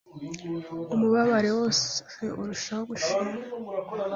umubabaro wabo urushaho kwiyongera